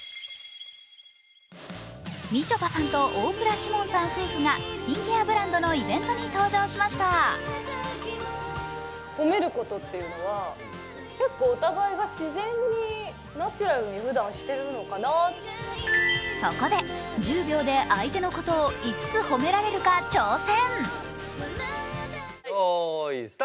みちょぱさんと大倉士門さん夫婦がスキンケアブランドのイベントに登場しましたそこで１０秒で相手のことを５つ褒められるか挑戦。